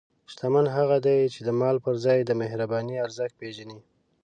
شتمن هغه دی چې د مال پر ځای د مهربانۍ ارزښت پېژني.